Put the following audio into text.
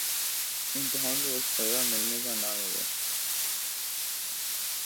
امتحان کا وقت آیا‘ ملنے کو نہ ملے۔